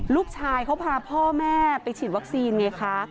ลูกชายเขาพาพ่อแม่ไปฉีดวัคซีนไงคะ